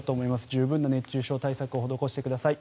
十分な熱中症対策を施してください。